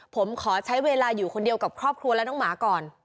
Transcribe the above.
ผมขอใช้เวลาอยู่คนเดียวกับครอบครัวและน้องหมาก่อน